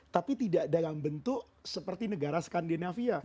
tapi tidak dalam bentuk seperti negara skandinavia